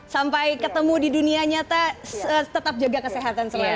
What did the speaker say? sampai ketemu di dunia nyata tetap jaga kesehatan selain